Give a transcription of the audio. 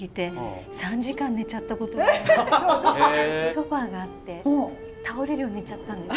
ソファーがあって倒れるように寝ちゃったんです。